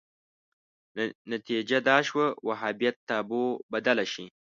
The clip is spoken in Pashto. نتیجه دا شوه وهابیت تابو بدله شي